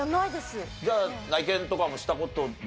じゃあ内見とかもした事ないもんな。